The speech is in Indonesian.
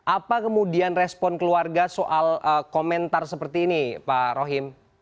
apa kemudian respon keluarga soal komentar seperti ini pak rohim